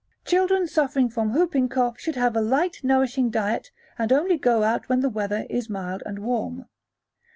Children suffering from whooping cough should have a light nourishing diet and only go out when the weather is mild and warm.